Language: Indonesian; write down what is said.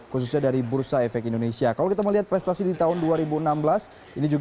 tentu kita bersyukur kita menghargai itu